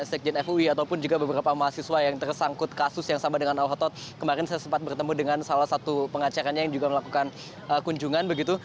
sekjen fui ataupun juga beberapa mahasiswa yang tersangkut kasus yang sama dengan al khotot kemarin saya sempat bertemu dengan salah satu pengacaranya yang juga melakukan kunjungan begitu